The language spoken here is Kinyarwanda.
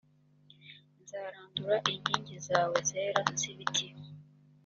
nzarandura inkingi zawe zera z’ibiti